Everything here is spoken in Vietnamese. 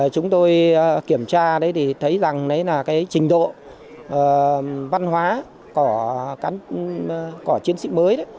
chúng tôi kiểm tra thì thấy rằng là trình độ văn hóa của chiến sĩ mới